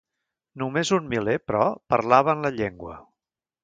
Només un miler, però, parlaven la llengua.